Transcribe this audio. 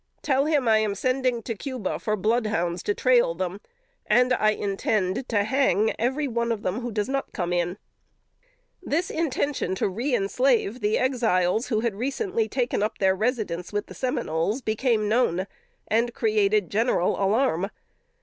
Tell him I am sending to Cuba for bloodhounds to trail them, and I intend to hang every one of them who does not come in." This intention to reënslave the Exiles who had recently taken up their residence with the Seminoles became known, and created general alarm.